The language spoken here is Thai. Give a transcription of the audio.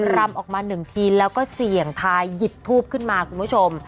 รำออกมาหนึ่งทีแล้วก็เสี่ยงทายหยิบทูบขึ้นมาคุณผู้ชม